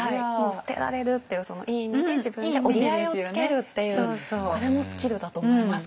捨てられるっていういい意味で自分で折り合いをつけるっていうこれもスキルだと思いますけどね。